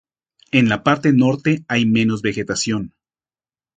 En la parte norte hay menos vegetación.